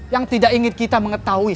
yang tidak ingin kita mengetahui